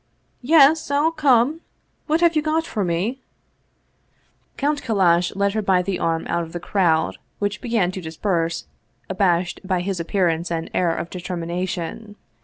" Yes, I'll come ! What have you got for me ?" Count Kallash led her by the arm out of the crowd, which began to disperse, abashed by his appearance and air of determination.